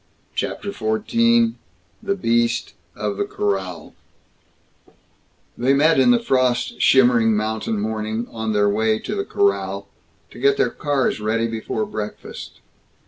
CHAPTER XIV THE BEAST OF THE CORRAL They met in the frost shimmering mountain morning, on their way to the corral, to get their cars ready before breakfast.